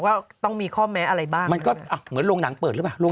ว่าต้องมีข้อแม้อะไรบ้างมันก็เหมือนโรงหนังเปิดหรือเปล่า